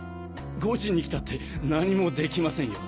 ５時に来たって何もできませんよ。